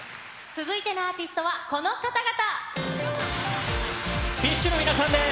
続いてのアーティストはこの方々です。